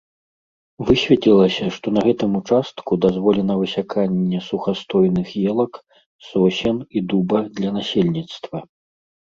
Высветлілася, што на гэтым участку дазволена высяканне сухастойных елак, сосен і дуба для насельніцтва.